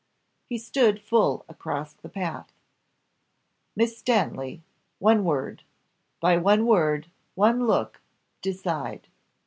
He stood full across the path. "Miss Stanley, one word by one word, one look decide.